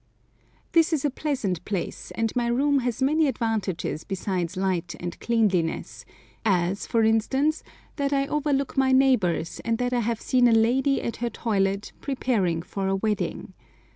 THIS is a pleasant place, and my room has many advantages besides light and cleanliness, as, for instance, that I overlook my neighbours and that I have seen a lady at her toilet preparing for a wedding!